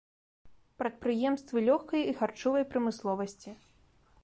Прадпрыемствы лёгкай і харчовай прамысловасці.